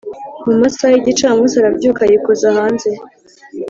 mumasaha yigicamusi arabyuka yikoza hanze